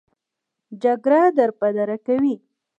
جګړه دربدره کوي